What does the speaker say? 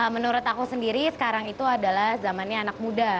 menurut aku sendiri sekarang itu adalah zamannya anak muda